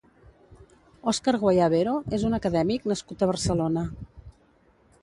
Oscar Guayabero és un acadèmic nascut a Barcelona.